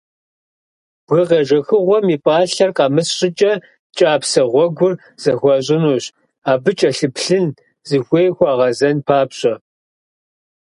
Бгы къежэхыгъуэм и пӀалъэр къэмыс щӀыкӀэ кӀапсэ гъуэгур зэхуащӏынущ, абы кӀэлъыплъын, зыхуей хуагъэзэн папщӀэ.